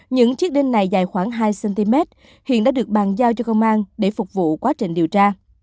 những chiếc đinh này dài khoảng hai cm hiện đã được bàn giao cho công an để phục vụ quá trình điều tra